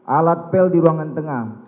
alat pel di ruangan tengah